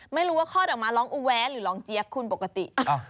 ไม่รู้ว่าคลอดออกมาร้องอูแว้นหรือร้องเจี๊ยกคุณปกติ